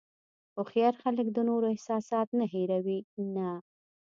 هوښیار خلک د نورو احساسات نه هیروي نه.